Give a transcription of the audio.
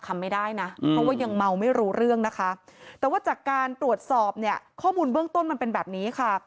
แต่ว่าจากการตรวจสอบเนี่ยข้อมูลเบื้องต้นมันเป็นแบบนี้ค่ะ